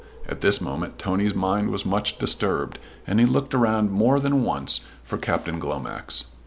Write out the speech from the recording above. At this moment Tony's mind was much disturbed, and he looked round more than once for Captain Glomax.